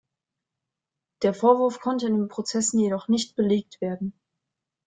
Der Vorwurf konnte in den Prozessen jedoch nicht belegt werden.